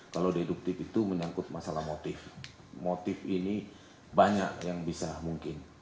kalau deduktif itu menyangkut masalah motif motif ini banyak yang bisa mungkin